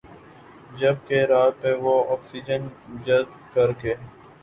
جبکہ رات میں وہ آکسیجن جذب کرکے